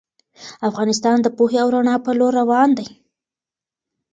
افغانستان د پوهې او رڼا په لور روان دی.